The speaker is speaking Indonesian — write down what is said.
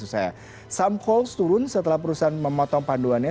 saham koalitasi turun setelah perusahaan memotong panduannya